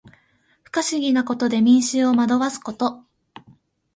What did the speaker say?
不可思議なことで民衆を惑わすこと。